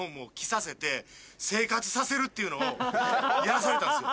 いうのをやらされたんですよ。